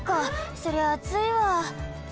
そりゃあついわ。